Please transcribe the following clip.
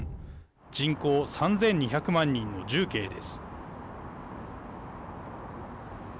人口３２００万人の重慶です。